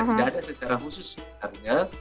tidak ada secara khusus sebenarnya